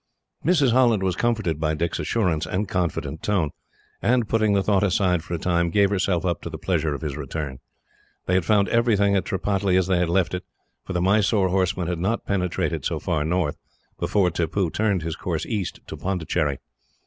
Mrs. Holland was comforted by Dick's assurance and confident tone, and, putting the thought aside for a time, gave herself up to the pleasure of his return. They had found everything at Tripataly as they had left it, for the Mysore horsemen had not penetrated so far north, before Tippoo turned his course east to Pondicherry.